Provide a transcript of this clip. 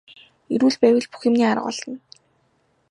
Эрүүл байвал бүх юмны арга олдоно.